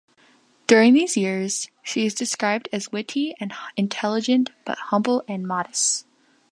During these years she is described as witty and intelligent but humble and modest.